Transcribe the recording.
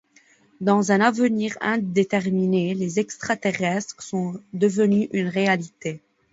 Dans un avenir indéterminé, les extraterrestres sont devenus une réalité.